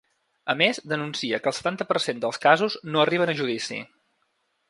A més, denuncia que el setanta per cent dels casos no arriben a judici.